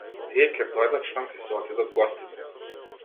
Тие ќе дојдат штом ќе си отидат гостите.